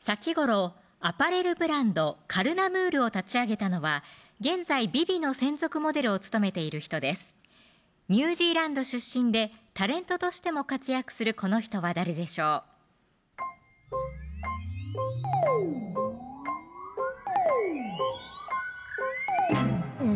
先頃アパレルブランド・ＣＡＬＮＡＭＵＲを立ち上げたのは現在ＶｉＶｉの専属モデルを務めていニュージーランド出身でタレントとしても活躍するこの人は誰でしょううん